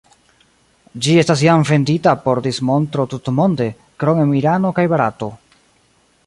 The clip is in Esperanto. Ĝi estas jam vendita por dismontro tutmonde, krom en Irano kaj Barato.